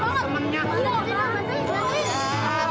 mendingan nyawa gua hilang deh